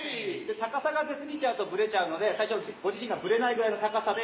高さが出過ぎちゃうとブレちゃうので最初はご自身がブレないぐらいの高さで。